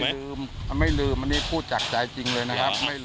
ลืมไม่ลืมอันนี้พูดจากใจจริงเลยนะครับ